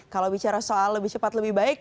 kalau bicara soal lebih cepat lebih baik